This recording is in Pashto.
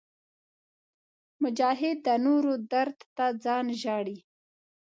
مجاهد د نورو درد ته ځان ژاړي.